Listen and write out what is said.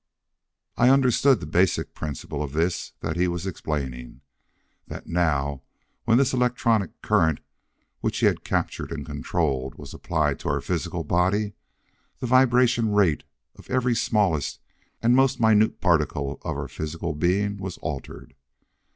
I understood the basic principle of this that he was explaining that now when this electronic current which he had captured and controlled was applied to our physical body, the vibration rate of every smallest and most minute particle of our physical being was altered.